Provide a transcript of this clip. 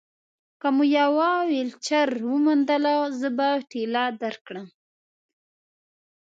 که مو یوه ویلچېر وموندله، زه به ټېله درکړم.